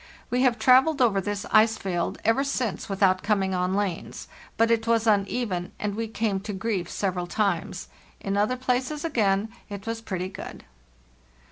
We have travelled over this ice field ever since without coming on lanes; but it was uneven, and we came to grief several times. In other places again it was pretty good.